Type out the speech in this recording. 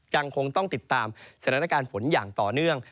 ยังคงต้องติดตามสถานการณ์ฝนอย่างต่อเนื่อง